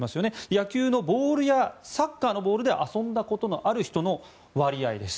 野球のボールやサッカーのボールで遊んだことのある人の割合です。